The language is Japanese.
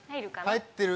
入ってる？